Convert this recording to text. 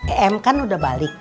em kan udah balik